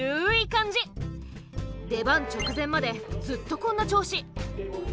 出番直前までずっとこんな調子。